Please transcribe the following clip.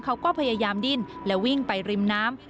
เขาก็พยายามดิ้นและวิ่งไปริมน้ำ